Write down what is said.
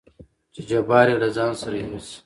چې جبار يې له ځانه سره يوسي.